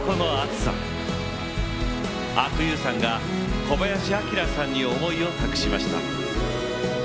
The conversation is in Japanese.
阿久悠さんが小林旭さんに思いを託しました。